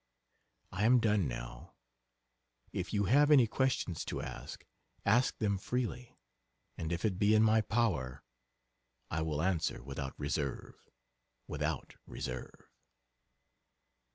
I am done now. If you have any questions to ask ask them freely and if it be in my power, I will answer without reserve without reserve.